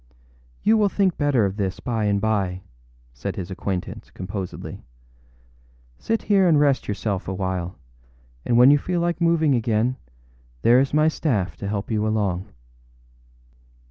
â âYou will think better of this by and by,â said his acquaintance, composedly. âSit here and rest yourself a while; and when you feel like moving again, there is my staff to help you along.